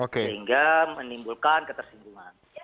sehingga menimbulkan ketersinggungan